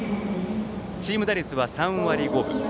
チーム打率は３割５分。